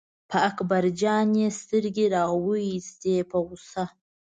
په اکبر جان یې سترګې را وویستې په غوسه.